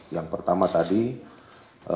yang pertama adalah